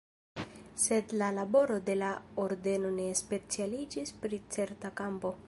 Sed la laboro de la ordeno ne specialiĝis pri certa kampo.